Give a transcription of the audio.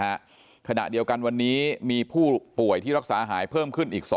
ขณะเดียวกันวันนี้มีผู้ป่วยที่รักษาหายเพิ่มขึ้นอีก๒